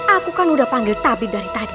aku kan udah panggil tabib dari tadi